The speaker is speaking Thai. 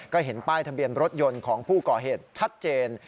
ก็เห็นป้ายทะเบียนรถยนต์ของผู้ก่อเหตุชัดเจน